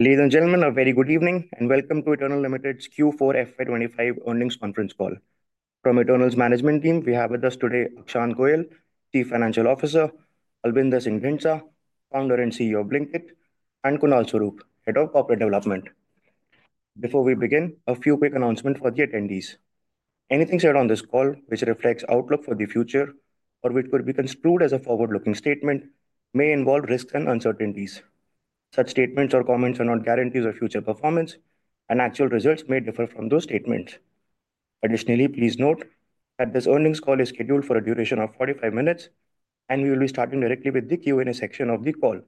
Ladies and gentlemen, a very good evening and welcome to Eternal Limited's Q4 FY2025 earnings conference call. From Eternal's management team, we have with us today Akshant Goyal, Chief Financial Officer; Albinder Singh Dhindsa, Founder and CEO of Blinkit; and Kunal Swarup, Head of Corporate Development. Before we begin, a few quick announcements for the attendees. Anything said on this call, which reflects outlook for the future or which could be construed as a forward-looking statement, may involve risks and uncertainties. Such statements or comments are not guarantees of future performance, and actual results may differ from those statements. Additionally, please note that this earnings call is scheduled for a duration of 45 minutes, and we will be starting directly with the Q&A section of the call.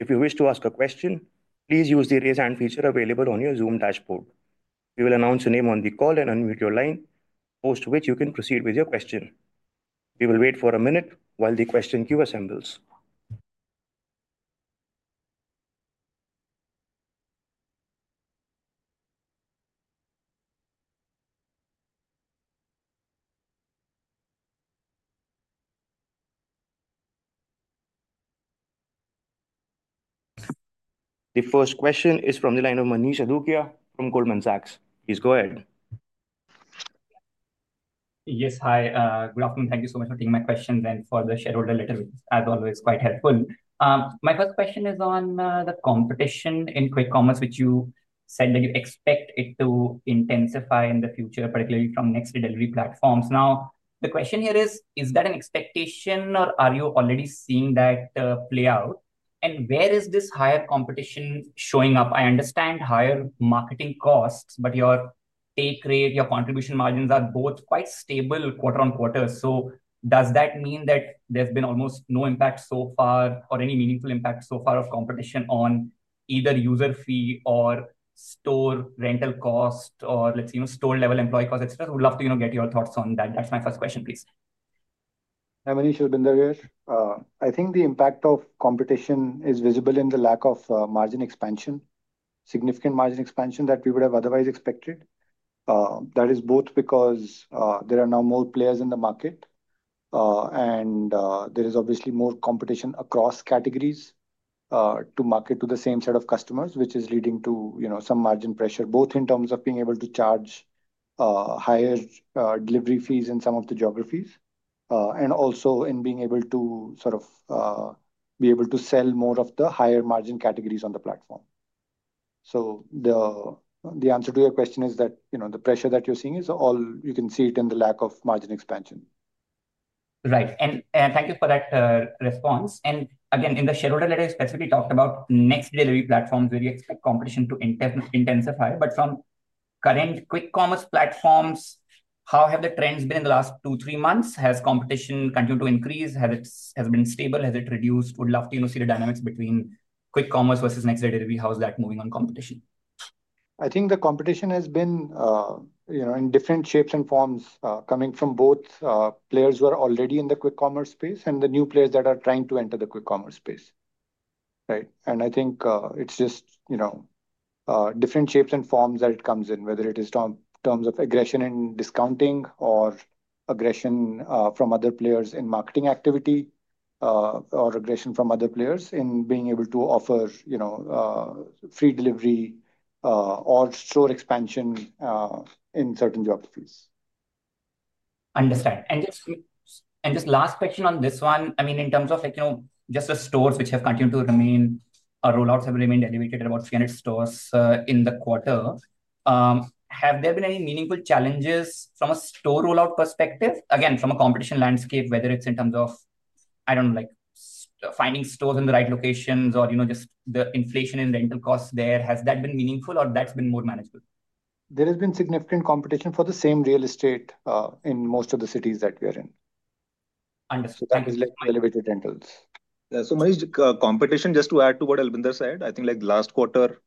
If you wish to ask a question, please use the raise hand feature available on your Zoom dashboard. We will announce your name on the call and unmute your line, post which you can proceed with your question. We will wait for a minute while the question queue assembles. The first question is from the line of Manish Adukia from Goldman Sachs. Please go ahead. Yes, hi. Good afternoon. Thank you so much for taking my questions, and for the shareholder letter, which is, as always, quite helpful. My first question is on the competition in quick commerce, which you said that you expect it to intensify in the future, particularly from next-day delivery platforms. Now, the question here is, is that an expectation, or are you already seeing that play out? Where is this higher competition showing up? I understand higher marketing costs, but your take rate, your contribution margins are both quite stable quarter on quarter. Does that mean that there's been almost no impact so far, or any meaningful impact so far of competition on either user fee or store rental cost, or, let's say, store-level employee cost, etc.? We'd love to get your thoughts on that. That's my first question, please. Hi, Manish. I've been there. I think the impact of competition is visible in the lack of margin expansion, significant margin expansion that we would have otherwise expected. That is both because there are now more players in the market, and there is obviously more competition across categories to market to the same set of customers, which is leading to some margin pressure, both in terms of being able to charge higher delivery fees in some of the geographies, and also in being able to sort of be able to sell more of the higher margin categories on the platform. The answer to your question is that the pressure that you're seeing is all you can see it in the lack of margin expansion. Right. Thank you for that response. Again, in the shareholder letter, you specifically talked about next-day delivery platforms where you expect competition to intensify. From current quick commerce platforms, how have the trends been in the last two, three months? Has competition continued to increase? Has it been stable? Has it reduced? Would love to see the dynamics between quick commerce versus next-day delivery. How is that moving on competition? I think the competition has been in different shapes and forms coming from both players who are already in the quick commerce space and the new players that are trying to enter the quick commerce space. I think it's just different shapes and forms that it comes in, whether it is in terms of aggression and discounting or aggression from other players in marketing activity or aggression from other players in being able to offer free delivery or store expansion in certain geographies. Understood. Just last question on this one. I mean, in terms of just the stores which have continued to remain, roll-outs have remained elevated at about 300 stores in the quarter. Have there been any meaningful challenges from a store roll-out perspective? Again, from a competition landscape, whether it's in terms of, I don't know, finding stores in the right locations or just the inflation in rental costs there, has that been meaningful or that's been more manageable? There has been significant competition for the same real estate in most of the cities that we are in. Understood. That is like the elevated rentals. Manish, competition, just to add to what Albinder said, I think last quarter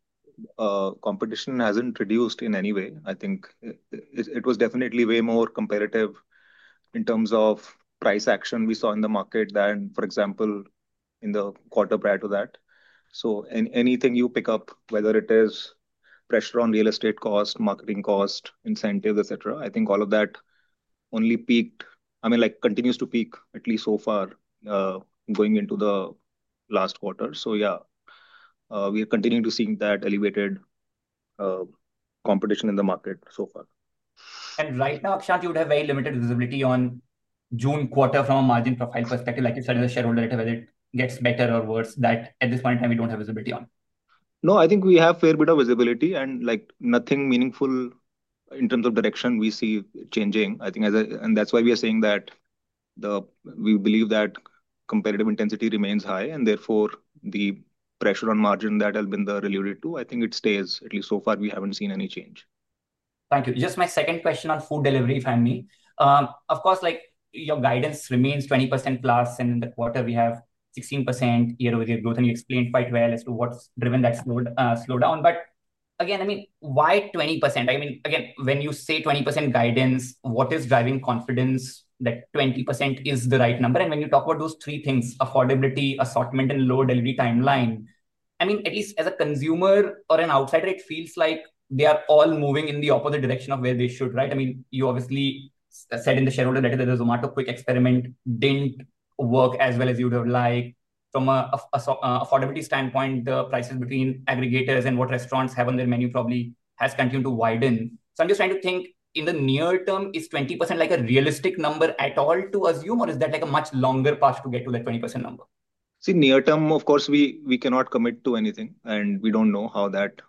competition hasn't reduced in any way. I think it was definitely way more competitive in terms of price action we saw in the market than, for example, in the quarter prior to that. Anything you pick up, whether it is pressure on real estate cost, marketing cost, incentives, etc., I think all of that only peaked, I mean, continues to peak, at least so far, going into the last quarter. Yeah, we are continuing to see that elevated competition in the market so far. Right now, Akshant, you would have very limited visibility on June quarter from a margin profile perspective. Like you said, as a shareholder letter, whether it gets better or worse, that at this point in time, we do not have visibility on. No, I think we have a fair bit of visibility and nothing meaningful in terms of direction we see changing. I think, and that's why we are saying that we believe that competitive intensity remains high, and therefore the pressure on margin that Albinder alluded to, I think it stays. At least so far, we haven't seen any change. Thank you. Just my second question on food delivery, if I may. Of course, your guidance remains 20%+, and in the quarter, we have 16% year-over-year growth, and you explained quite well as to what's driven that slowdown. Again, I mean, why 20%? I mean, again, when you say 20% guidance, what is driving confidence that 20% is the right number? When you talk about those three things, affordability, assortment, and low delivery timeline, I mean, at least as a consumer or an outsider, it feels like they are all moving in the opposite direction of where they should, right? I mean, you obviously said in the shareholder letter that the Zomato Quick experiment didn't work as well as you would have liked. From an affordability standpoint, the prices between aggregators and what restaurants have on their menu probably has continued to widen. I'm just trying to think, in the near term, is 20% like a realistic number at all to assume, or is that like a much longer path to get to that 20% number? See, near term, of course, we cannot commit to anything, and we do not know how that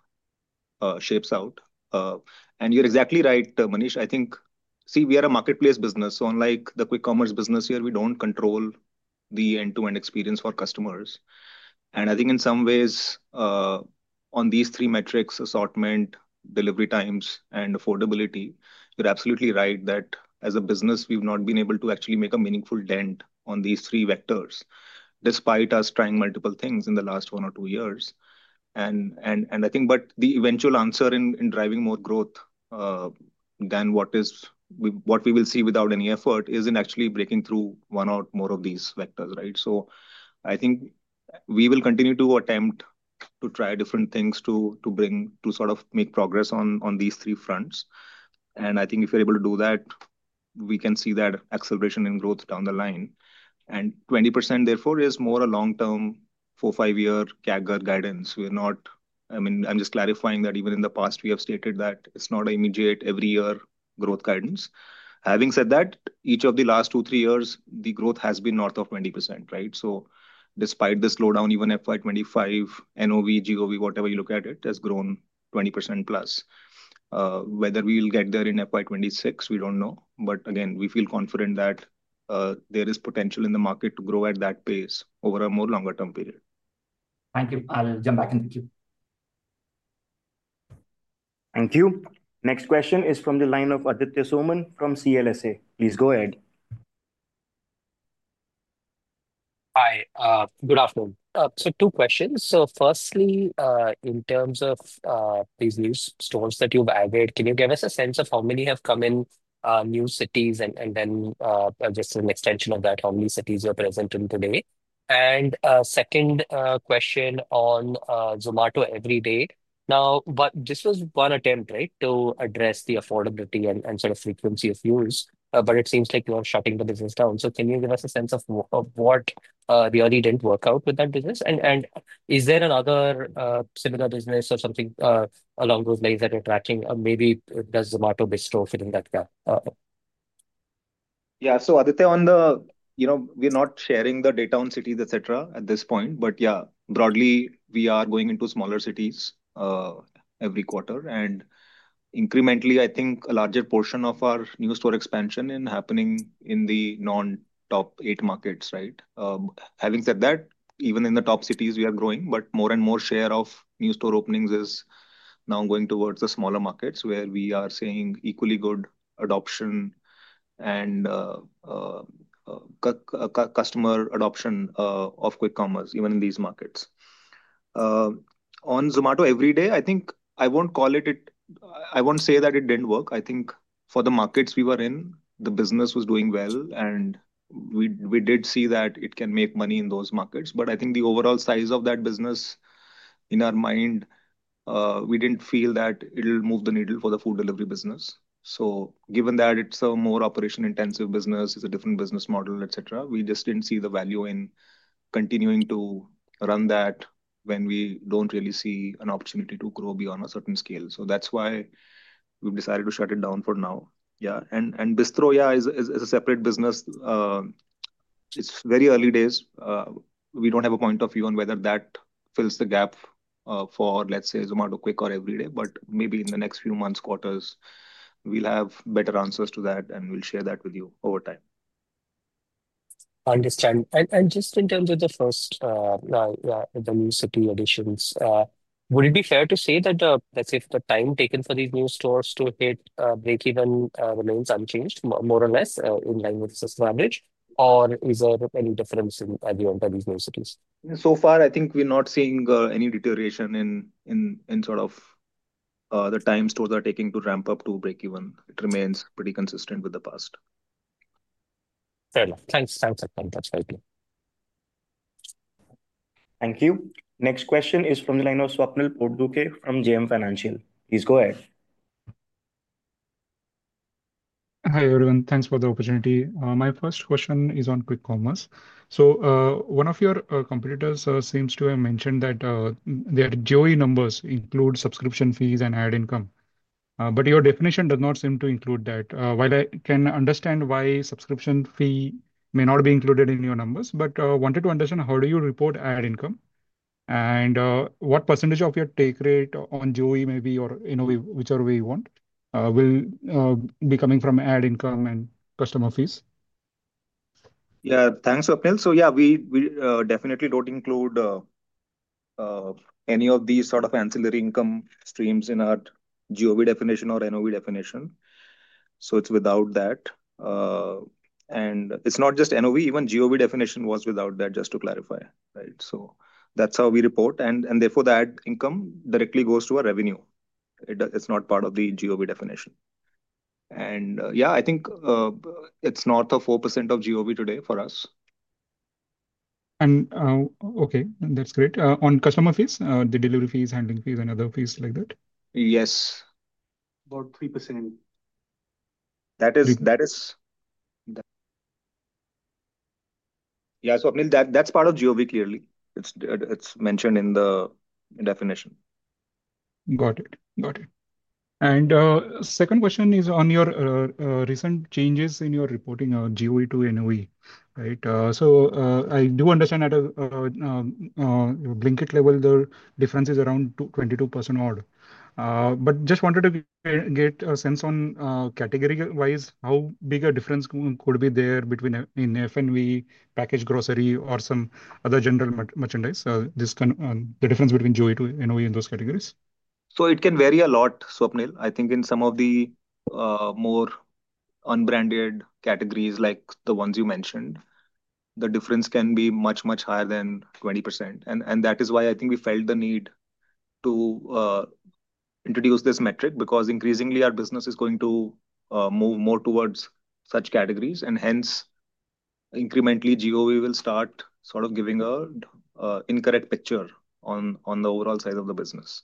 shapes out. You are exactly right, Manish. I think, see, we are a marketplace business. Unlike the quick commerce business here, we do not control the end-to-end experience for customers. I think in some ways, on these three metrics, assortment, delivery times, and affordability, you are absolutely right that as a business, we have not been able to actually make a meaningful dent on these three vectors despite us trying multiple things in the last one or two years. I think the eventual answer in driving more growth than what we will see without any effort is in actually breaking through one or more of these vectors, right? I think we will continue to attempt to try different things to sort of make progress on these three fronts. I think if you're able to do that, we can see that acceleration in growth down the line. Twenty percent, therefore, is more a long-term four- to five-year CAGR guidance. I mean, I'm just clarifying that even in the past, we have stated that it's not an immediate every-year growth guidance. Having said that, each of the last two to three years, the growth has been north of 20%, right? Despite the slowdown, even FY2025, NOV, GOV, whatever you look at it, has grown 20%+. Whether we will get there in FY2026, we don't know. Again, we feel confident that there is potential in the market to grow at that pace over a more longer-term period. Thank you. I'll jump back in. Thank you. Thank you. Next question is from the line of Aditya Soman from CLSA. Please go ahead. Hi. Good afternoon. Two questions. Firstly, in terms of these new stores that you've added, can you give us a sense of how many have come in new cities? Just an extension of that, how many cities you're present in today? Second question on Zomato Everyday. This was one attempt, right, to address the affordability and sort of frequency of use, but it seems like you are shutting the business down. Can you give us a sense of what really didn't work out with that business? Is there another similar business or something along those lines that you're tracking? Maybe does Zomato Bistro fit in that gap? Yeah. Aditya, on the, we're not sharing the data on cities, etc., at this point. Yeah, broadly, we are going into smaller cities every quarter. Incrementally, I think a larger portion of our new store expansion is happening in the non-top eight markets, right? Having said that, even in the top cities, we are growing, but more and more share of new store openings is now going towards the smaller markets where we are seeing equally good adoption and customer adoption of quick commerce even in these markets. On Zomato Everyday, I think I won't call it, I won't say that it didn't work. I think for the markets we were in, the business was doing well, and we did see that it can make money in those markets. I think the overall size of that business, in our mind, we didn't feel that it'll move the needle for the food delivery business. Given that it's a more operation-intensive business, it's a different business model, etc., we just didn't see the value in continuing to run that when we don't really see an opportunity to grow beyond a certain scale. That's why we've decided to shut it down for now. Yeah. Bistro is a separate business. It's very early days. We don't have a point of view on whether that fills the gap for, let's say, Zomato Quick or Everyday. Maybe in the next few months, quarters, we'll have better answers to that, and we'll share that with you over time. Understand. Just in terms of the first, the new city additions, would it be fair to say that, let's say, the time taken for these new stores to hit break-even remains unchanged, more or less in line with the system average, or is there any difference in as you enter these new cities? I think we're not seeing any deterioration in sort of the time stores are taking to ramp up to break-even. It remains pretty consistent with the past. Fair enough. Thanks. Thanks for coming to us, Aditya. Thank you. Next question is from the line of Swapnil Potdukhe from JM Financial. Please go ahead. Hi everyone. Thanks for the opportunity. My first question is on quick commerce. One of your competitors seems to have mentioned that their GOV numbers include subscription fees and ad income. Your definition does not seem to include that. While I can understand why subscription fee may not be included in your numbers, I wanted to understand how you report ad income and what percentage of your take rate on GOV, or whichever way you want, will be coming from ad income and customer fees? Yeah. Thanks, Swapnil. Yeah, we definitely don't include any of these sort of ancillary income streams in our GOV definition or NOV definition. It's without that. It's not just NOV. Even GOV definition was without that, just to clarify, right? That's how we report. Therefore, the ad income directly goes to our revenue. It's not part of the GOV definition. Yeah, I think it's north of 4% of GOV today for us. Okay, that's great. On customer fees, the delivery fees, handling fees, and other fees like that? Yes. About 3%. That is. Yeah. I mean, that's part of GOV clearly. It's mentioned in the definition. Got it. Got it. Second question is on your recent changes in your reporting GOV to NOV, right? I do understand at a Blinkit level, there are differences around 22% odd. Just wanted to get a sense on category-wise how big a difference could be there between F&V, package grocery, or some other general merchandise, the difference between GOV to NOV in those categories. It can vary a lot, Swapnil. I think in some of the more unbranded categories like the ones you mentioned, the difference can be much, much higher than 20%. That is why I think we felt the need to introduce this metric because increasingly, our business is going to move more towards such categories. Hence, incrementally, GOV will start sort of giving an incorrect picture on the overall size of the business.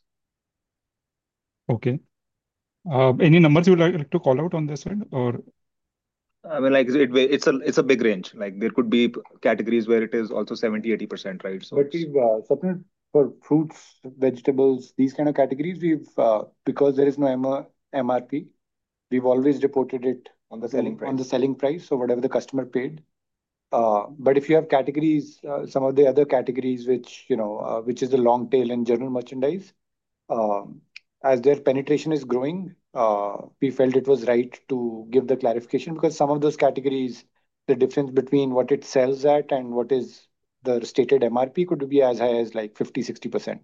Okay. Any numbers you would like to call out on this one or? I mean, it's a big range. There could be categories where it is also 70%-80%, right? For fruits, vegetables, these kind of categories, because there is no MRP, we've always reported it on the selling price or whatever the customer paid. If you have categories, some of the other categories, which is the long tail in general merchandise, as their penetration is growing, we felt it was right to give the clarification because some of those categories, the difference between what it sells at and what is the stated MRP could be as high as 50%-60%.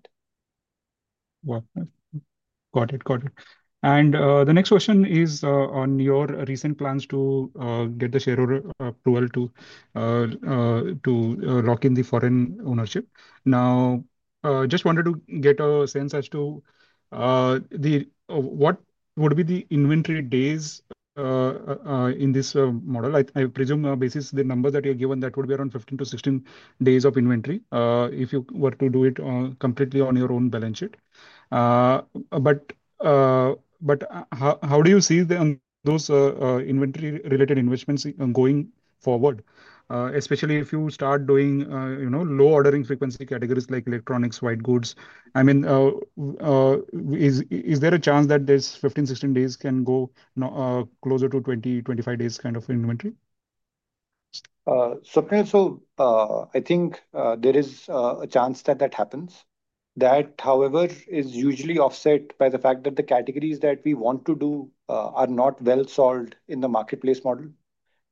Got it. Got it. The next question is on your recent plans to get the shareholder approval to lock in the foreign ownership. Now, just wanted to get a sense as to what would be the inventory days in this model. I presume basis the numbers that you have given, that would be around 15-16 days of inventory if you were to do it completely on your own balance sheet. How do you see those inventory-related investments going forward, especially if you start doing low ordering frequency categories like electronics, white goods? I mean, is there a chance that these 15-16 days can go closer to 20-25 days kind of inventory? I think there is a chance that that happens. That, however, is usually offset by the fact that the categories that we want to do are not well solved in the marketplace model.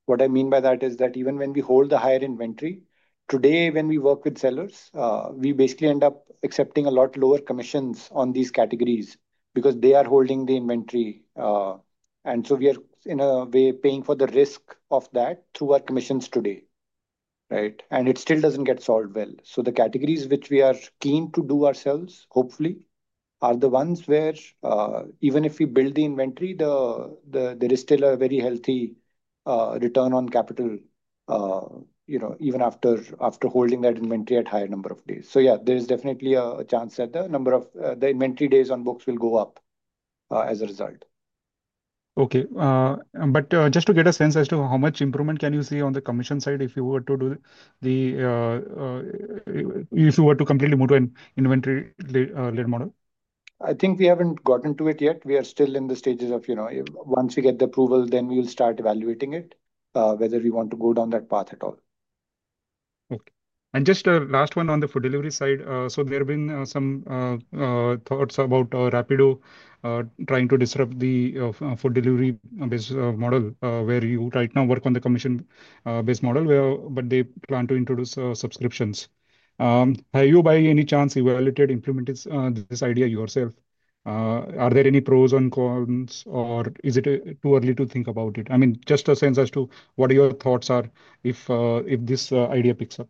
What I mean by that is that even when we hold the higher inventory, today, when we work with sellers, we basically end up accepting a lot lower commissions on these categories because they are holding the inventory. We are, in a way, paying for the risk of that through our commissions today, right? It still does not get solved well. The categories which we are keen to do ourselves, hopefully, are the ones where even if we build the inventory, there is still a very healthy return on capital even after holding that inventory at a higher number of days. Yeah, there is definitely a chance that the number of the inventory days on books will go up as a result. Okay. Just to get a sense as to how much improvement can you see on the commission side if you were to do the if you were to completely move to an inventory-led model? I think we haven't gotten to it yet. We are still in the stages of once we get the approval, then we will start evaluating it, whether we want to go down that path at all. Okay. Just a last one on the food delivery side. There have been some thoughts about Rapido trying to disrupt the food delivery model where you right now work on the commission-based model, but they plan to introduce subscriptions. Are you, by any chance, evaluated, implemented this idea yourself? Are there any pros and cons, or is it too early to think about it? I mean, just a sense as to what your thoughts are if this idea picks up.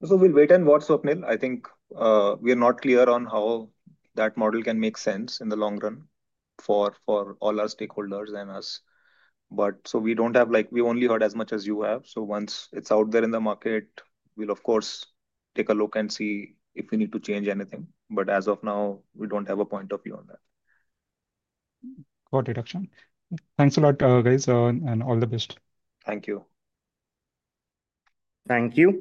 We will wait and watch, Swapnil. I think we are not clear on how that model can make sense in the long run for all our stakeholders and us. We only heard as much as you have. Once it is out there in the market, we will, of course, take a look and see if we need to change anything. As of now, we do not have a point of view on that. Got it, Akshant. Thanks a lot, guys, and all the best. Thank you. Thank you.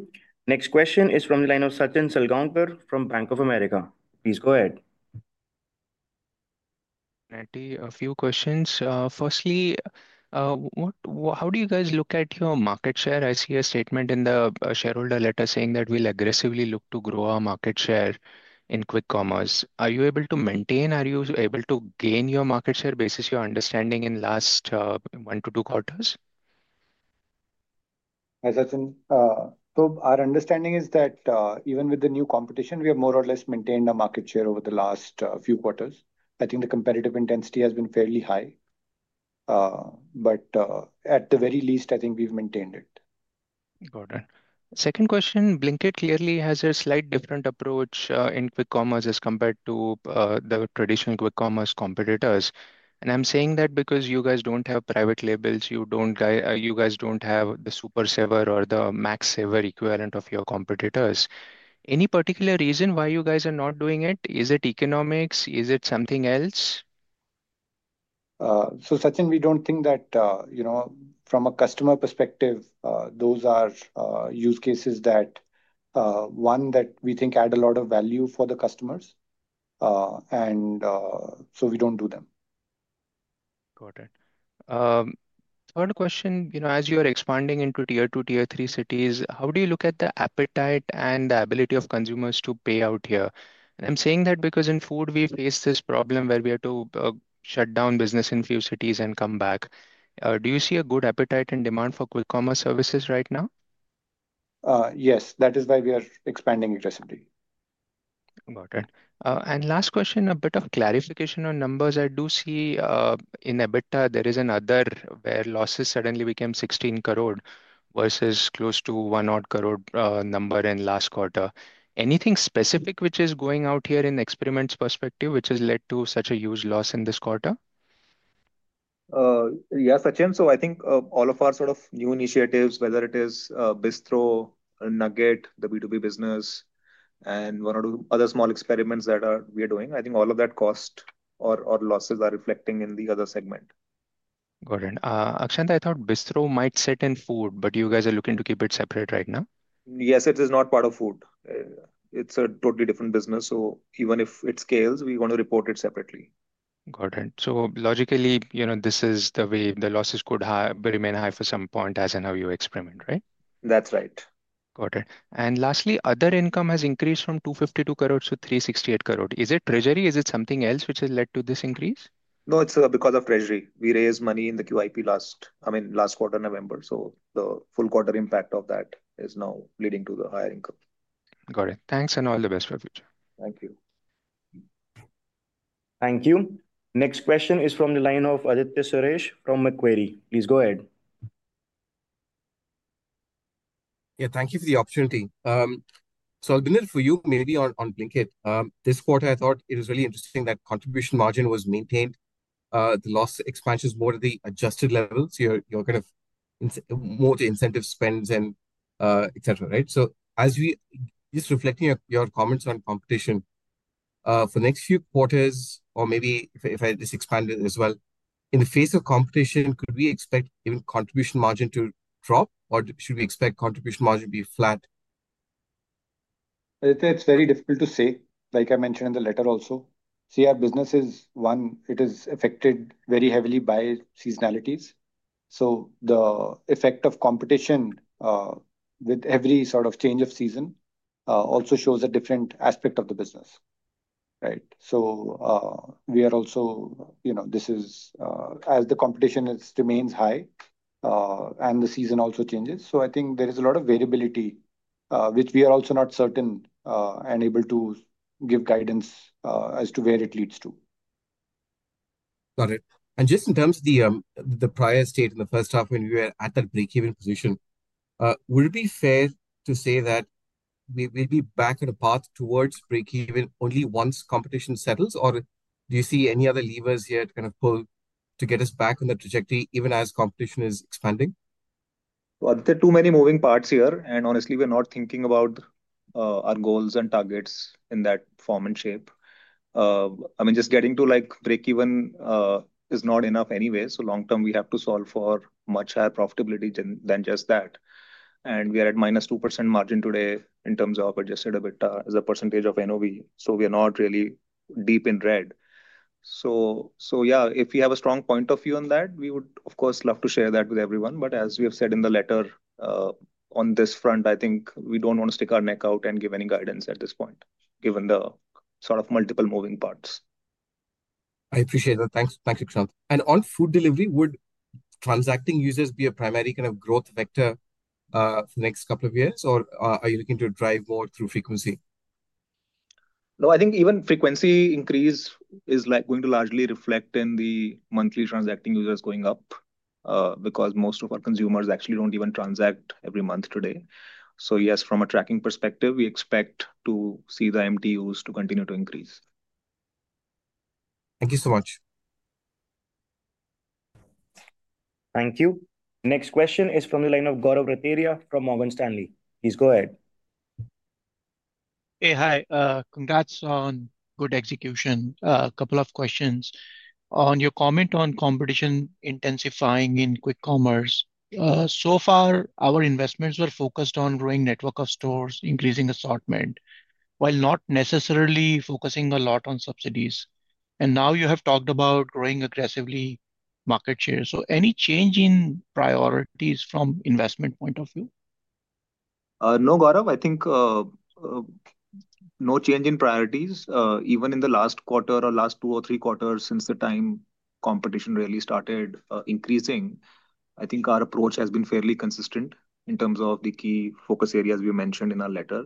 Next question is from the line of Sachin Salgaonkar from Bank of America. Please go ahead. A few questions. Firstly, how do you guys look at your market share? I see a statement in the shareholder letter saying that we'll aggressively look to grow our market share in quick commerce. Are you able to maintain? Are you able to gain your market share basis, your understanding in the last one to two quarters? Sachin, our understanding is that even with the new competition, we have more or less maintained our market share over the last few quarters. I think the competitive intensity has been fairly high. At the very least, I think we've maintained it. Got it. Second question, Blinkit clearly has a slight different approach in quick commerce as compared to the traditional quick commerce competitors. I am saying that because you guys do not have private labels, you guys do not have the super saver or the max saver equivalent of your competitors. Any particular reason why you guys are not doing it? Is it economics? Is it something else? Sachin, we do not think that from a customer perspective, those are use cases that, one, that we think add a lot of value for the customers. And so we do not do them. Got it. Third question, as you are expanding into tier two, tier three cities, how do you look at the appetite and the ability of consumers to pay out here? I am saying that because in food, we face this problem where we have to shut down business in a few cities and come back. Do you see a good appetite and demand for quick commerce services right now? Yes. That is why we are expanding aggressively. Got it. Last question, a bit of clarification on numbers. I do see in EBITDA, there is another where losses suddenly became 16 crore versus close to 1 crore number in last quarter. Anything specific which is going out here in experiments perspective, which has led to such a huge loss in this quarter? Yeah, Sachin. I think all of our sort of new initiatives, whether it is Bistro, Nugget, the B2B business, and one or two other small experiments that we are doing, I think all of that cost or losses are reflecting in the other segment. Got it. Akshant, I thought Bistro might sit in food, but you guys are looking to keep it separate right now? Yes, it is not part of food. It's a totally different business. Even if it scales, we want to report it separately. Got it. Logically, this is the way the losses could remain high for some point as in how you experiment, right? That's right. Got it. Lastly, other income has increased from 252 crore to 368 crore. Is it treasury? Is it something else which has led to this increase? No, it's because of treasury. We raised money in the QIP last, I mean, last quarter, November. So the full quarter impact of that is now leading to the higher income. Got it. Thanks and all the best for the future. Thank you. Thank you. Next question is from the line of Aditya Suresh from Macquarie. Please go ahead. Yeah, thank you for the opportunity. Albinder, for you, maybe on Blinkit, this quarter, I thought it was really interesting that contribution margin was maintained. The loss expansion is more at the adjusted level. You are kind of more to incentive spends and etc., right? As we just reflecting your comments on competition, for the next few quarters, or maybe if I just expand it as well, in the face of competition, could we expect even contribution margin to drop, or should we expect contribution margin to be flat? It's very difficult to say. Like I mentioned in the letter also, see, our business is one, it is affected very heavily by seasonalities. The effect of competition with every sort of change of season also shows a different aspect of the business, right? We are also, this is as the competition remains high and the season also changes. I think there is a lot of variability, which we are also not certain and able to give guidance as to where it leads to. Got it. Just in terms of the prior state in the first half when we were at that break-even position, would it be fair to say that we'll be back on a path towards break-even only once competition settles, or do you see any other levers here to kind of pull to get us back on the trajectory even as competition is expanding? There are too many moving parts here. Honestly, we're not thinking about our goals and targets in that form and shape. I mean, just getting to break-even is not enough anyway. Long term, we have to solve for much higher profitability than just that. We are at -2% margin today in terms of adjusted EBITDA as a percentage of NOV. We are not really deep in red. If we have a strong point of view on that, we would, of course, love to share that with everyone. As we have said in the letter, on this front, I think we don't want to stick our neck out and give any guidance at this point, given the sort of multiple moving parts. I appreciate that. Thanks, Akshant. On food delivery, would transacting users be a primary kind of growth vector for the next couple of years, or are you looking to drive more through frequency? No, I think even frequency increase is going to largely reflect in the monthly transacting users going up because most of our consumers actually do not even transact every month today. Yes, from a tracking perspective, we expect to see the MTUs to continue to increase. Thank you so much. Thank you. Next question is from the line of Gaurav Rateria from Morgan Stanley. Please go ahead. Hey, hi. Congrats on good execution. A couple of questions. On your comment on competition intensifying in quick commerce, so far, our investments were focused on growing network of stores, increasing assortment, while not necessarily focusing a lot on subsidies. You have talked about growing aggressively market share. Any change in priorities from investment point of view? No, Gaurav. I think no change in priorities. Even in the last quarter or last two or three quarters since the time competition really started increasing, I think our approach has been fairly consistent in terms of the key focus areas we mentioned in our letter.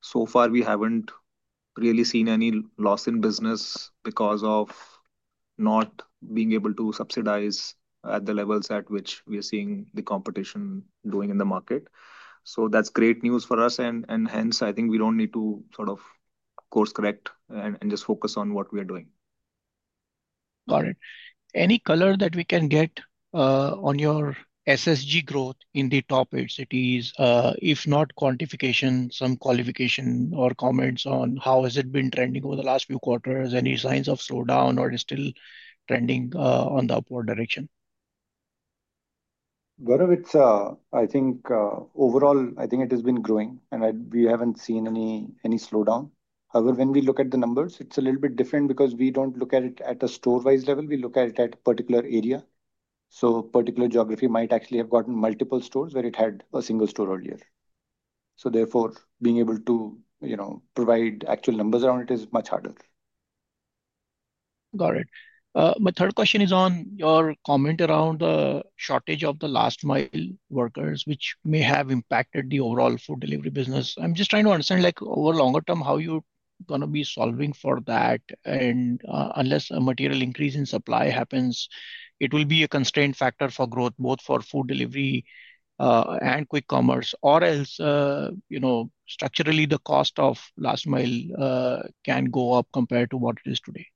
So far, we haven't really seen any loss in business because of not being able to subsidize at the levels at which we are seeing the competition doing in the market. That's great news for us. Hence, I think we don't need to sort of course correct and just focus on what we are doing. Got it. Any color that we can get on your SSG growth in the top eight cities, if not quantification, some qualification or comments on how has it been trending over the last few quarters? Any signs of slowdown, or is it still trending in the upward direction? Gaurav, it's, I think overall, I think it has been growing, and we haven't seen any slowdown. However, when we look at the numbers, it's a little bit different because we don't look at it at a store-wise level. We look at it at a particular area. A particular geography might actually have gotten multiple stores where it had a single store earlier. Therefore, being able to provide actual numbers around it is much harder. Got it. My third question is on your comment around the shortage of the last-mile workers, which may have impacted the overall food delivery business. I'm just trying to understand over longer term, how you're going to be solving for that. Unless a material increase in supply happens, it will be a constraint factor for growth, both for food delivery and quick commerce. Or else, structurally, the cost of last-mile can go up compared to what it is today.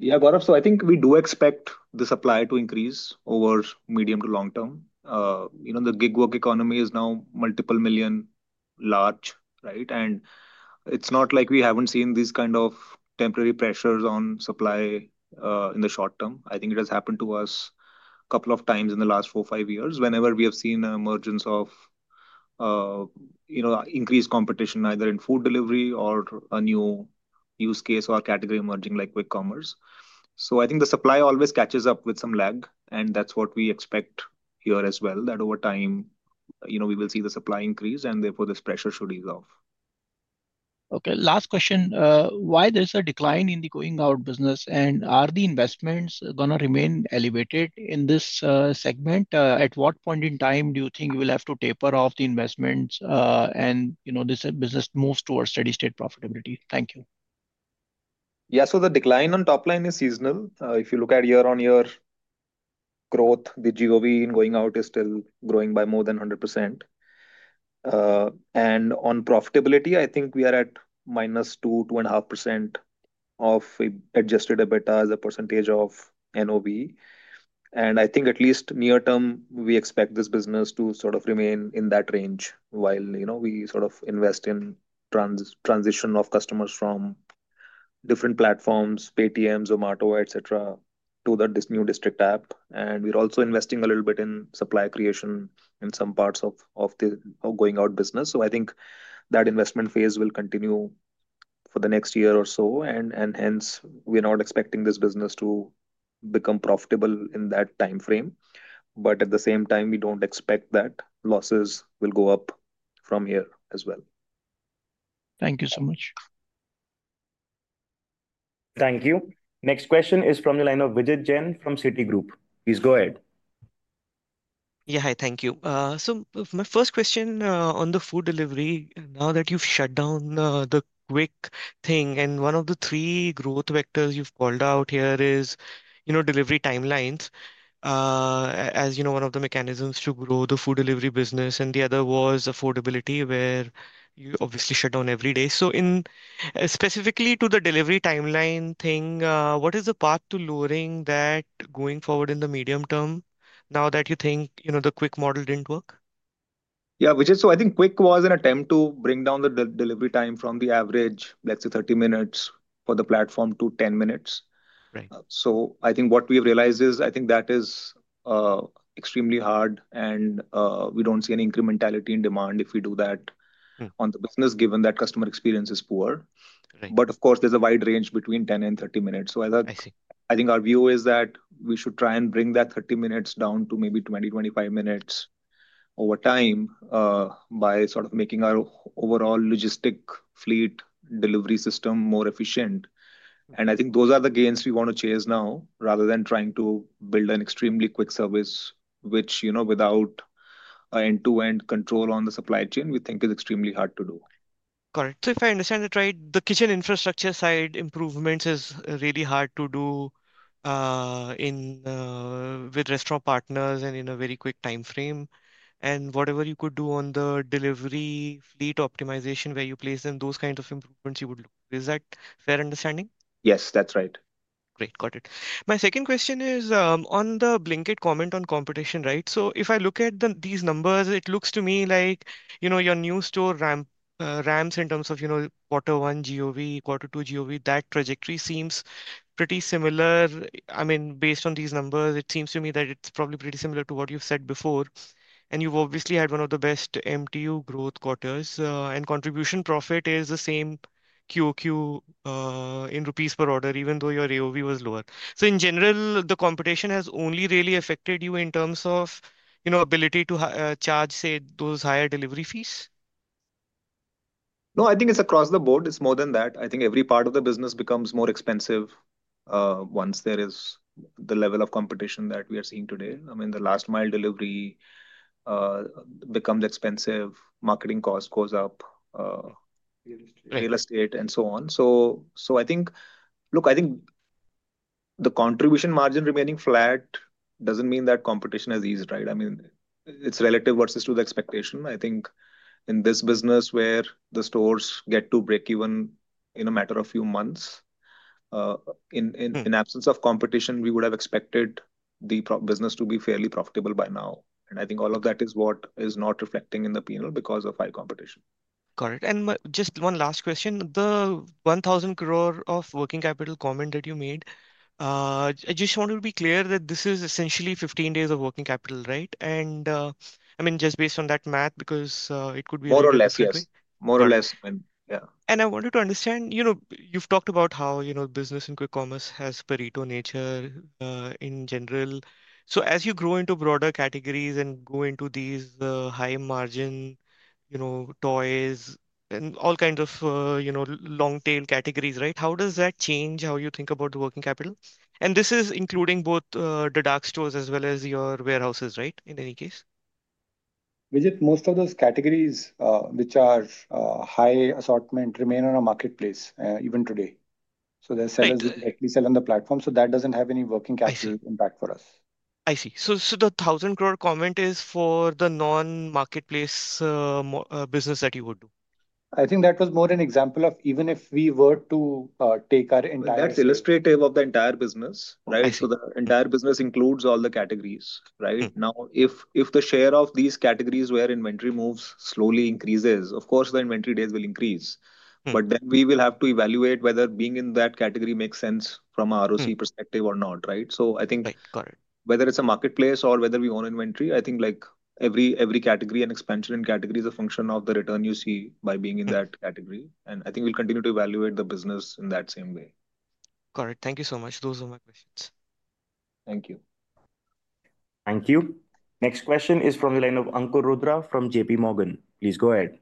Yeah, Gaurav. I think we do expect the supply to increase over the medium to long term. The gig work economy is now multiple million large, right? It's not like we haven't seen these kind of temporary pressures on supply in the short term. I think it has happened to us a couple of times in the last four or five years whenever we have seen an emergence of increased competition, either in food delivery or a new use case or category emerging like quick commerce. I think the supply always catches up with some lag. That's what we expect here as well, that over time, we will see the supply increase, and therefore, this pressure should ease off. Okay. Last question. Why is there a decline in the Going Out business? Are the investments going to remain elevated in this segment? At what point in time do you think you will have to taper off the investments and this business moves towards steady-state profitability? Thank you. Yeah. The decline on top line is seasonal. If you look at year-on-year growth, the GOV in Going Out is still growing by more than 100%. On profitability, I think we are at -2%, 2.5% of adjusted EBITDA as a percentage of NOV. I think at least near term, we expect this business to sort of remain in that range while we sort of invest in transition of customers from different platforms, Paytm, Zomato, etc., to the new District app. We're also investing a little bit in supply creation in some parts of the Going Out business. I think that investment phase will continue for the next year or so. Hence, we're not expecting this business to become profitable in that time frame. At the same time, we don't expect that losses will go up from here as well. Thank you so much. Thank you. Next question is from the line of Vijit Jain from Citigroup. Please go ahead. Yeah, hi. Thank you. My first question on the food delivery, now that you've shut down the quick thing, and one of the three growth vectors you've called out here is delivery timelines, as one of the mechanisms to grow the food delivery business. The other was affordability, where you obviously shut down Everyday. Specifically to the delivery timeline thing, what is the path to lowering that going forward in the medium term now that you think the quick model didn't work? Yeah, Vijit, I think quick was an attempt to bring down the delivery time from the average, let's say, 30 minutes for the platform to 10 minutes. I think what we have realized is I think that is extremely hard, and we don't see any incrementality in demand if we do that on the business, given that customer experience is poor. Of course, there's a wide range between 10 and 30 minutes. I think our view is that we should try and bring that 30 minutes down to maybe 20-25 minutes over time by sort of making our overall logistic fleet delivery system more efficient. I think those are the gains we want to chase now rather than trying to build an extremely quick service, which without end-to-end control on the supply chain, we think is extremely hard to do. Correct. If I understand it right, the kitchen infrastructure side improvements is really hard to do with restaurant partners and in a very quick time frame. Whatever you could do on the delivery fleet optimization where you place them, those kinds of improvements you would look. Is that fair understanding? Yes, that's right. Great. Got it. My second question is on the Blinkit comment on competition, right? If I look at these numbers, it looks to me like your new store ramps in terms of quarter one GOV, quarter two GOV, that trajectory seems pretty similar. I mean, based on these numbers, it seems to me that it's probably pretty similar to what you've said before. You've obviously had one of the best MTU growth quarters. Contribution profit is the same QOQ in rupees per order, even though your AOV was lower. In general, the competition has only really affected you in terms of ability to charge, say, those higher delivery fees? No, I think it's across the board. It's more than that. I think every part of the business becomes more expensive once there is the level of competition that we are seeing today. I mean, the last-mile delivery becomes expensive. Marketing cost goes up, real estate, and so on. I think, look, I think the contribution margin remaining flat doesn't mean that competition has eased, right? I mean, it's relative versus to the expectation. I think in this business where the stores get to break even in a matter of few months, in absence of competition, we would have expected the business to be fairly profitable by now. I think all of that is what is not reflecting in the P&L because of high competition. Got it. Just one last question. The 1,000 crore of working capital comment that you made, I just want to be clear that this is essentially 15 days of working capital, right? I mean, just based on that math, because it could be. More or less, yes. More or less, yeah. I wanted to understand, you've talked about how business in quick commerce has Pareto nature in general. As you grow into broader categories and go into these high-margin toys and all kinds of long-tail categories, right? How does that change how you think about working capital? This is including both the dark stores as well as your warehouses, right, in any case? Vijit, most of those categories which are high assortment remain on a marketplace even today. They directly sell on the platform. That does not have any working capital impact for us. I see. The 1,000 crore comment is for the non-marketplace business that you would do? I think that was more an example of even if we were to take our entire. That's illustrative of the entire business, right? The entire business includes all the categories, right? Now, if the share of these categories where inventory moves slowly increases, of course, the inventory days will increase. We will have to evaluate whether being in that category makes sense from an ROC perspective or not, right? I think whether it's a marketplace or whether we own inventory, every category and expansion in category is a function of the return you see by being in that category. I think we'll continue to evaluate the business in that same way. Got it. Thank you so much. Those are my questions. Thank you. Thank you. Next question is from the line of Ankur Rudra from JPMorgan. Please go ahead.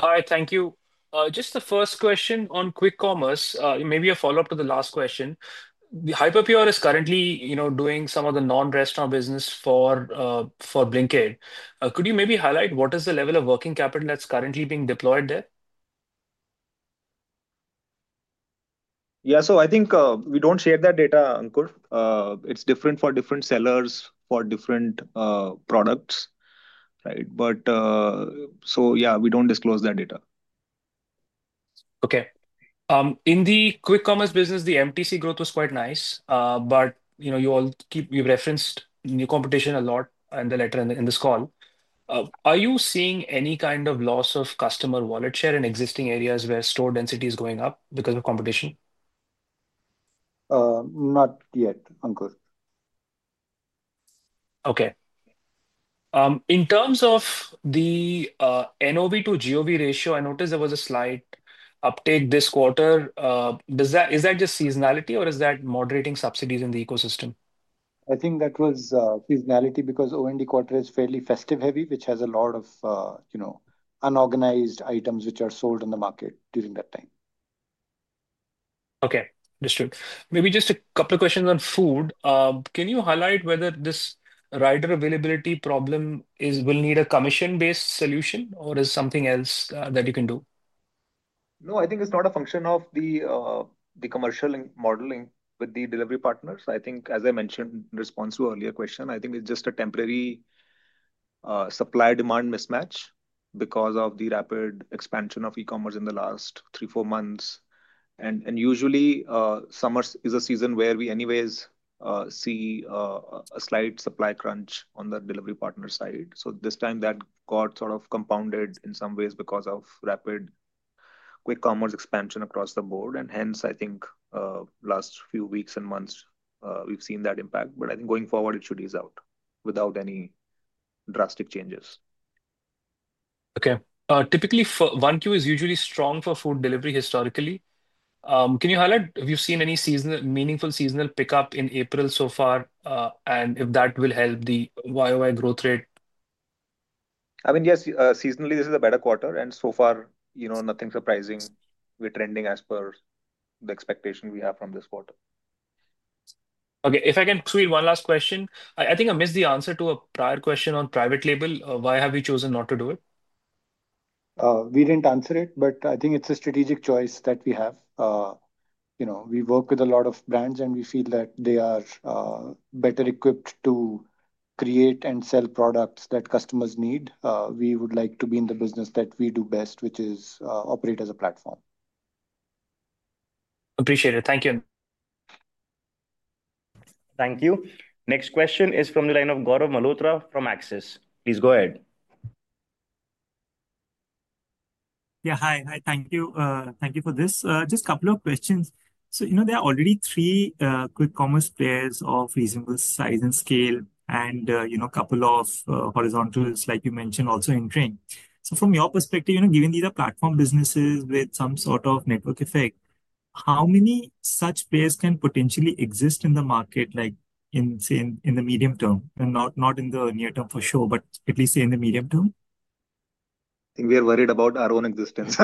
Hi, thank you. Just the first question on quick commerce, maybe a follow-up to the last question. Hyperpure is currently doing some of the non-restaurant business for Blinkit. Could you maybe highlight what is the level of working capital that's currently being deployed there? Yeah. I think we don't share that data, Ankur. It's different for different sellers for different products, right? Yeah, we don't disclose that data. Okay. In the quick commerce business, the MTU growth was quite nice. You all referenced new competition a lot in the letter in this call. Are you seeing any kind of loss of customer wallet share in existing areas where store density is going up because of competition? Not yet, Ankur. Okay. In terms of the NOV to GOV ratio, I noticed there was a slight uptake this quarter. Is that just seasonality, or is that moderating subsidies in the ecosystem? I think that was seasonality because OND quarter is fairly festive-heavy, which has a lot of unorganized items which are sold in the market during that time. Okay. Understood. Maybe just a couple of questions on food. Can you highlight whether this rider availability problem will need a commission-based solution, or is it something else that you can do? No, I think it's not a function of the commercial modeling with the delivery partners. I think, as I mentioned in response to an earlier question, I think it's just a temporary supply-demand mismatch because of the rapid expansion of e-commerce in the last three or four months. Usually, summer is a season where we anyways see a slight supply crunch on the delivery partner side. This time, that got sort of compounded in some ways because of rapid quick commerce expansion across the board. I think in the last few weeks and months, we've seen that impact. I think going forward, it should ease out without any drastic changes. Okay. Typically, 1Q is usually strong for food delivery historically. Can you highlight if you've seen any meaningful seasonal pickup in April so far and if that will help the YoY growth rate? I mean, yes, seasonally, this is a better quarter. So far, nothing surprising. We're trending as per the expectation we have from this quarter. Okay. If I can squeeze one last question, I think I missed the answer to a prior question on private label. Why have you chosen not to do it? We did not answer it, but I think it is a strategic choice that we have. We work with a lot of brands, and we feel that they are better equipped to create and sell products that customers need. We would like to be in the business that we do best, which is operate as a platform. Appreciate it. Thank you. Thank you. Next question is from the line of Gaurav Malhotra from Axis. Please go ahead. Yeah, hi. Hi, thank you. Thank you for this. Just a couple of questions. There are already three quick commerce players of reasonable size and scale and a couple of horizontals, like you mentioned, also in train. From your perspective, given these are platform businesses with some sort of network effect, how many such players can potentially exist in the market, say, in the medium term? Not in the near term for sure, but at least in the medium term? I think we are worried about our own existence.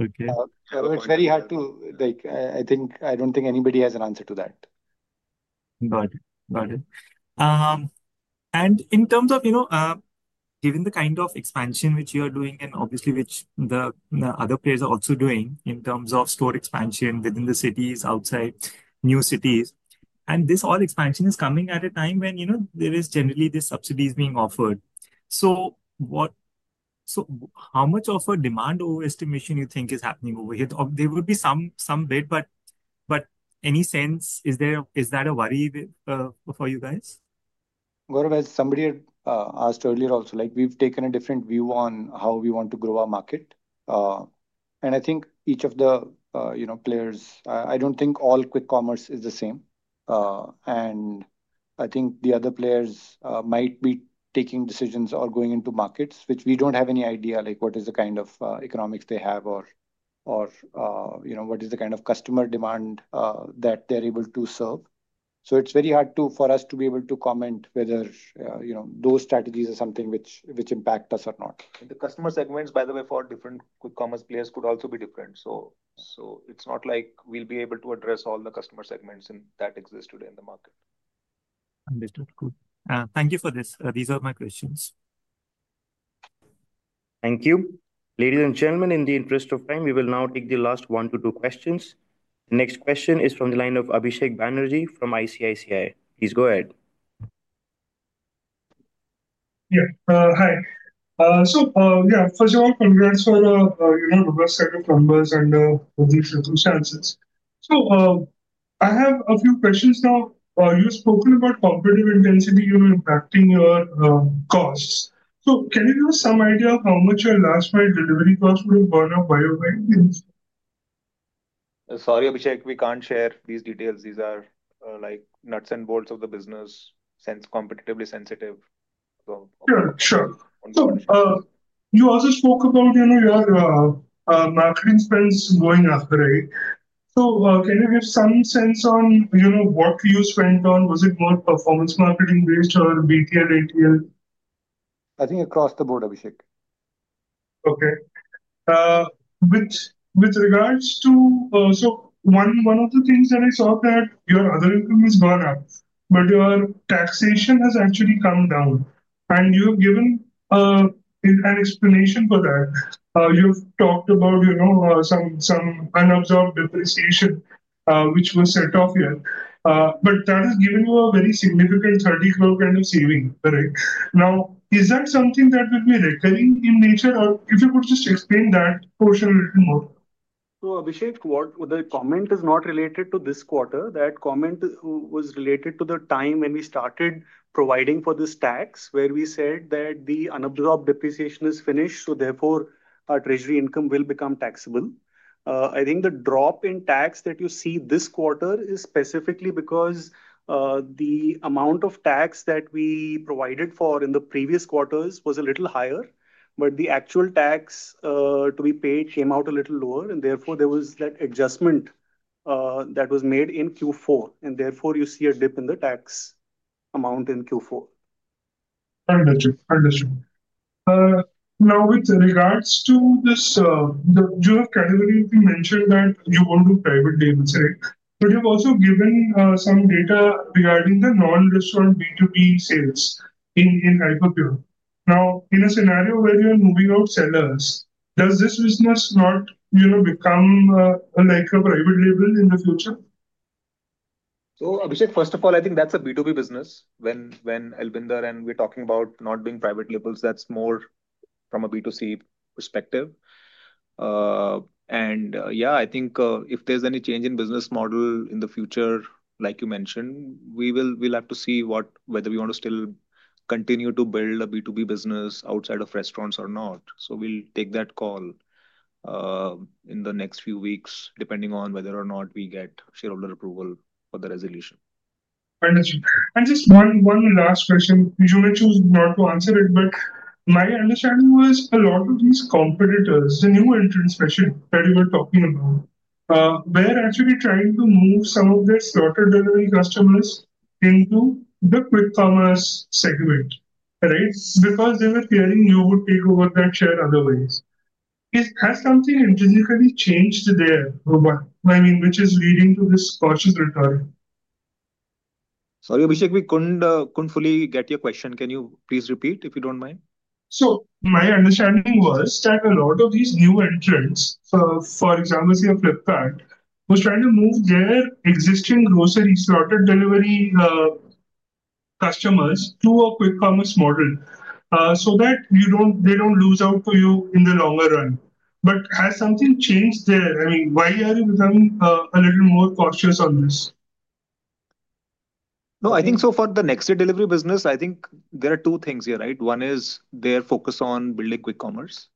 Okay. It's very hard to. I don't think anybody has an answer to that. Got it. Got it. In terms of given the kind of expansion which you are doing and obviously which the other players are also doing in terms of store expansion within the cities, outside new cities, and this all expansion is coming at a time when there is generally this subsidies being offered. How much of a demand overestimation do you think is happening over here? There would be some bit, but in any sense, is that a worry for you guys? Gaurav, as somebody had asked earlier also, we've taken a different view on how we want to grow our market. I think each of the players, I don't think all quick commerce is the same. I think the other players might be taking decisions or going into markets, which we don't have any idea what is the kind of economics they have or what is the kind of customer demand that they're able to serve. It's very hard for us to be able to comment whether those strategies are something which impact us or not. The customer segments, by the way, for different quick commerce players could also be different. It's not like we'll be able to address all the customer segments that exist today in the market. Understood. Thank you for this. These are my questions. Thank you. Ladies and gentlemen, in the interest of time, we will now take the last one to two questions. The next question is from the line of Abhisek Banerjee from ICICI. Please go ahead. Yeah. Hi. First of all, congrats for the best set of numbers and the circumstances. I have a few questions now. You've spoken about operative intensity impacting your costs. Can you give us some idea of how much your last-mile delivery cost would have gone up by your way? Sorry, Abhisek, we can't share these details. These are nuts and bolts of the business, competitively sensitive. Sure. Sure. You also spoke about your marketing spends going up, right? Can you give some sense on what you spent on? Was it more performance marketing-based or BTL, ATL? I think across the board, Abhisek. Okay. With regards to one of the things that I saw, that your other income has gone up, but your taxation has actually come down. You have given an explanation for that. You have talked about some unabsorbed depreciation, which was set off here. That has given you a very significant 30 crore kind of saving, right? Now, is that something that would be recurring in nature? If you could just explain that portion a little more. Abhisek, the comment is not related to this quarter. That comment was related to the time when we started providing for this tax where we said that the unabsorbed depreciation is finished, so therefore our treasury income will become taxable. I think the drop in tax that you see this quarter is specifically because the amount of tax that we provided for in the previous quarters was a little higher, but the actual tax to be paid came out a little lower. Therefore, there was that adjustment that was made in Q4. Therefore, you see a dip in the tax amount in Q4. Understood. Understood. Now, with regards to this, you have categorically mentioned that you won't do private labels, right? You have also given some data regarding the non-restaurant B2B sales in Hyperpure. Now, in a scenario where you're moving out sellers, does this business not become a private label in the future? Abhisek, first of all, I think that's a B2B business. When Albinder and we're talking about not being private labels, that's more from a B2C perspective. Yeah, I think if there's any change in business model in the future, like you mentioned, we'll have to see whether we want to still continue to build a B2B business outside of restaurants or not. We'll take that call in the next few weeks, depending on whether or not we get shareholder approval for the resolution. Understood. Just one last question. You may choose not to answer it, but my understanding was a lot of these competitors, the new entrants, especially that you were talking about, were actually trying to move some of their slower delivery customers into the quick commerce segment, right? Because they were fearing you would take over that share otherwise. Has something intrinsically changed there, which is leading to this cautious retirement? Sorry, Abhisek, we could not fully get your question. Can you please repeat if you do not mind? My understanding was that a lot of these new entrants, for example, say Flipkart, was trying to move their existing grocery slotted delivery customers to a quick commerce model so that they do not lose out to you in the longer run. Has something changed there? I mean, why are you becoming a little more cautious on this? No, I think so for the next-day delivery business, I think there are two things here, right? One is their focus on building quick commerce.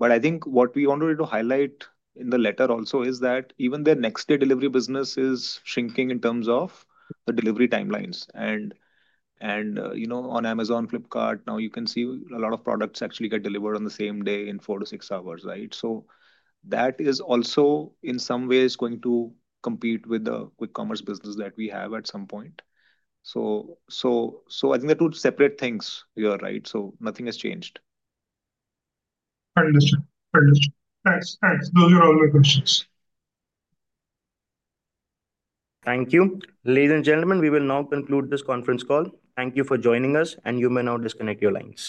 I think what we wanted to highlight in the letter also is that even their next-day delivery business is shrinking in terms of the delivery timelines. On Amazon, Flipkart, now you can see a lot of products actually get delivered on the same day in four to six hours, right? That is also, in some ways, going to compete with the quick commerce business that we have at some point. I think they're two separate things here, right? Nothing has changed. Understood. Understood. Thanks. Those are all my questions. Thank you. Ladies and gentlemen, we will now conclude this conference call. Thank you for joining us, and you may now disconnect your lines.